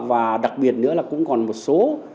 và đặc biệt nữa là cũng còn một số